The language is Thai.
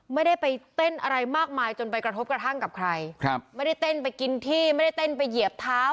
ไม่ได้ไปเต้นอะไรมากมายจนไปกระทบกระทั่งกับใครครับไม่ได้เต้นไปกินที่ไม่ได้เต้นไปเหยียบเท้า